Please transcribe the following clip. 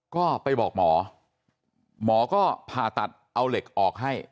ก็ไปบอกหมอหมอก็ผ่าตัดเอาเหล็กออกให้